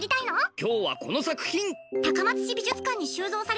今日はこの作品！